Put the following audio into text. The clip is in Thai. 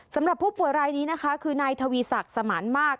สำหรับผู้ป่วยรายนี้นะคะคือนายทวีศักดิ์สมานมาก